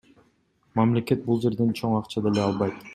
Мамлекет бул жерден чоң акча деле албайт.